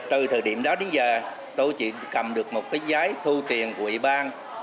từ thời điểm đó đến giờ tôi chỉ cầm được một cái giấy thu tiền của ủy ban